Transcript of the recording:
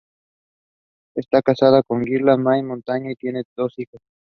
Está casado con Gilda Minaya Montaño y tiene dos hijos.